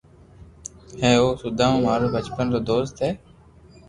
ھي او سوداما مارو بچپن رو دوست ھي